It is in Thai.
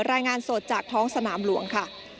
รายงานสดจากท้องสนามหลวงค่ะ